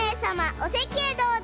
おせきへどうぞ！